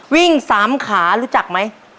วิ่ง๓ขารู้จักไหม